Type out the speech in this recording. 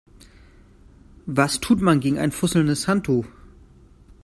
Was tut man gegen ein fusselndes Handtuch?